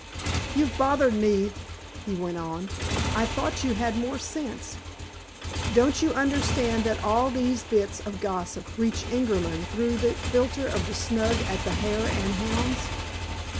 "You've bothered me," he went on. "I thought you had more sense. Don't you understand that all these bits of gossip reach Ingerman through the filter of the snug at the Hare and Hounds?"